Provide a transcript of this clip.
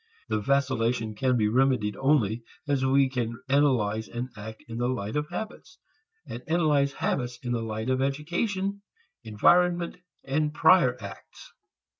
The vacillation can be remedied only as we can analyze an act in the light of habits, and analyze habits in the light of education, environment and prior acts.